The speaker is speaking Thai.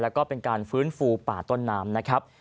แล้วก็เป็นการฟื้นฟูป่าต้นน้ำนะครับ